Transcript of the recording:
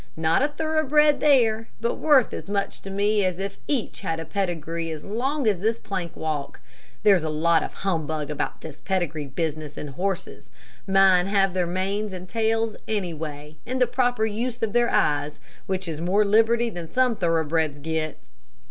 Not a thoroughbred there, but worth as much to me as if each had pedigree as long as this plank walk. There's a lot of humbug about this pedigree business in horses. Mine have their manes and tails anyway, and the proper use of their eyes, which is more liberty than some thoroughbreds get.